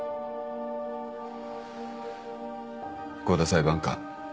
香田裁判官